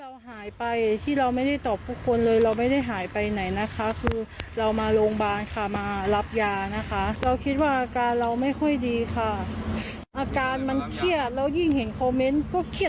ว่าเราดีขึ้นเลย